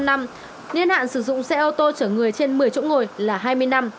nhiên hạn sử dụng xe ô tô chở người trên một mươi chỗ ngồi là hai mươi năm